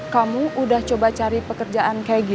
kamu udah coba cari pekerjaan kayak gitu